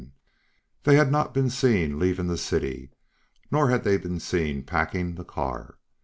They had not been seen leaving the city, nor had they been seen packing the car.